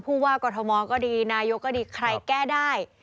ผู้ว่ากรทมก็ดีนายกก็ดีใครแก้ได้